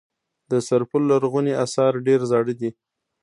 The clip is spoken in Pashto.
د سرپل لرغوني اثار ډیر زاړه دي